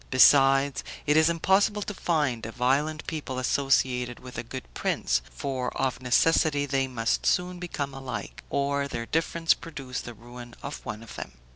Besides, it is impossible to find a violent people associated with a good prince, for of necessity they must soon become alike, or their difference produce the ruin of one of them.